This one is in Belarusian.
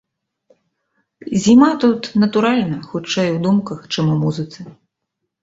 Зіма тут, натуральна, хутчэй, у думках, чым у музыцы.